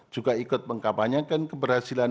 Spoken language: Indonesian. juga ikut mengkabanyakan keberhasilan